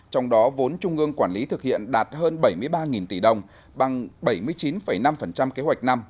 trong đó vốn trung ương quản lý thực hiện đạt hơn bảy mươi ba tỷ đồng bằng bảy mươi chín năm kế hoạch năm